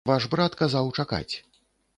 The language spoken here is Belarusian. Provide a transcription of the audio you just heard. Ваш брат казаў чакаць.